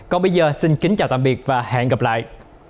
còn bây giờ xin kính chào tạm biệt và hẹn gặp lại